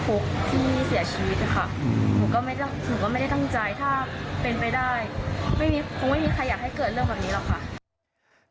คงไม่มีใครอยากให้เกิดเรื่องแบบนี้หรอกค่ะ